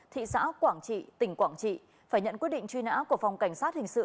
thị xã quảng trị tỉnh quảng trị phải nhận quyết định truy nã của phòng cảnh sát hình sự